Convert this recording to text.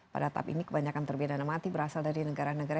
pada tahap ini kebanyakan terpidana mati berasal dari negara negara